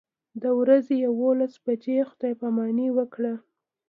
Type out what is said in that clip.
د ورځې یوولس بجې خدای پاماني وکړه.